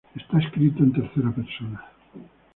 Está escrito en tercera persona.